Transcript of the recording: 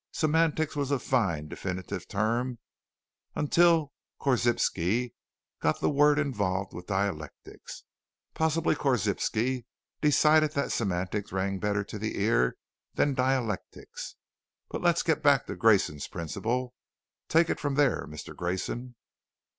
Semantics was a fine, definitive term until Korzybski got the word involved with dialectics. Possibly Korzybski decided that 'semantics' rang better to the ear than 'Dialectics.' But let's get back to Grayson's Principle. Take it from there, Mister Grayson."